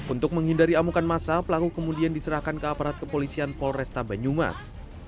untuk menghindari amukan masa pelaku kemudian diserahkan ke aparat kepolisian polresta banyumas